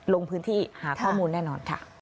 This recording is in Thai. ลงพื้นที่หาข้อมูลแน่นอนค่ะ